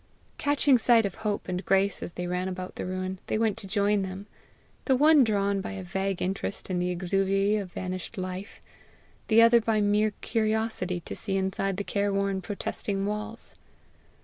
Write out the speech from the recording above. Catching sight of Hope and Grace as they ran about the ruin, they went to join them, the one drawn by a vague interest in the exuviae of vanished life, the other by mere curiosity to see inside the care worn, protesting walls.